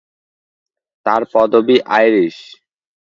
তার পদবি আইরিশ।